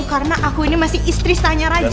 karena aku ini masih istri saya tanya raja